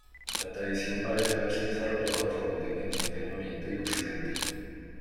La tradición parece haberse desarrollado de forma independiente en Oriente y Occidente.